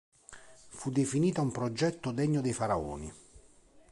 Fu definita un progetto degno dei faraoni.